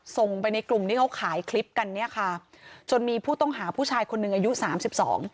ส่งไปในกลุ่มที่เขาขายคลิปกันเนี้ยค่ะจนมีผู้ต้องหาผู้ชายคนหนึ่งอายุสามสิบสอง